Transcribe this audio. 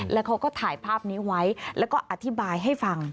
แล้วเขาก็ถ่ายภาพนี้ไว้แล้วก็อธิบายให้ฟัง